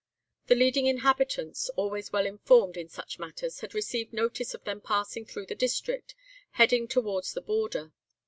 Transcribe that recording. The leading inhabitants, always well informed in such matters, had received notice of them passing through the district, heading towards the border.